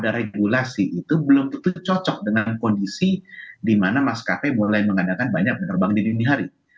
dan regulasi itu belum terlalu cocok dengan kondisi di mana maskapai mulai mengadakan banyak penerbangan di dunia hari